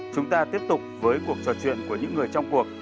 chúng ta tiếp tục với cuộc trò chuyện của những người trong cuộc